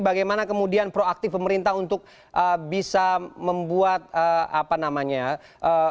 bagaimana kemudian proaktif pemerintah untuk bisa membuat apa namanya ya